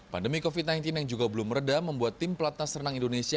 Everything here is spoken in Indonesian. pandemi covid sembilan belas yang juga belum meredah membuat tim pelatnas renang indonesia